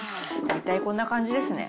大体こんな感じですね。